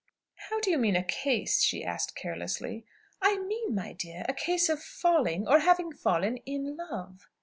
"How do you mean 'a case'?" she asked carelessly. "I mean, my dear, a case of falling, or having fallen, in love."